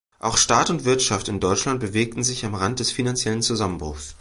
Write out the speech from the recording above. Auch Staat und Wirtschaft in Deutschland bewegten sich am Rand des finanziellen Zusammenbruchs.